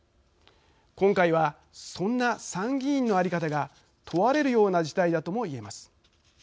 今回は、そんな参議院のあり方が問われるような事態だとも言えます。